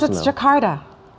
karena itu jakarta